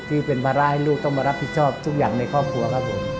ที่เป็นภาระให้ลูกต้องมารับผิดชอบทุกอย่างในครอบครัวครับผม